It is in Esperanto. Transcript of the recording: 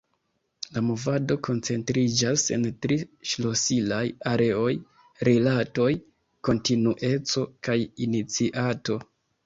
La movado koncentriĝas en tri ŝlosilaj areoj: rilatoj, kontinueco kaj iniciato.